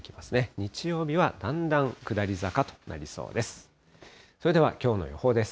日曜日はだんだん下り坂となりそうです。